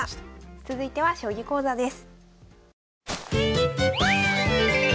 続いては将棋講座です。